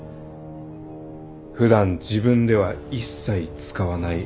普段自分では一切使わないあの場所。